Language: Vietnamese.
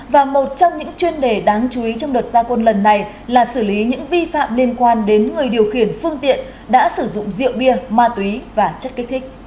và một trong những chuyên đề đáng chú ý trong đợt gia quân lần này là xử lý những vi phạm liên quan đến người điều khiển phương tiện đã sử dụng rượu bia ma túy và chất kích thích